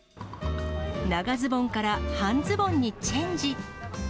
長ズボンから半ズボンにチェンジ。